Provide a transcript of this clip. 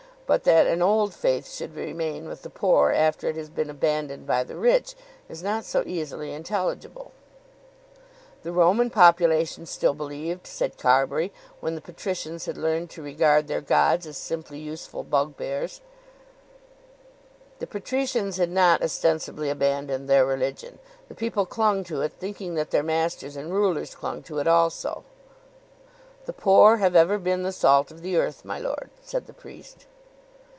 But that an old faith should remain with the poor after it has been abandoned by the rich is not so easily intelligible." [Illustration: The bishop thinks that the priest's analogy is not correct.] "The Roman population still believed," said Carbury, "when the patricians had learned to regard their gods as simply useful bugbears." "The patricians had not ostensibly abandoned their religion. The people clung to it thinking that their masters and rulers clung to it also." "The poor have ever been the salt of the earth, my lord," said the priest.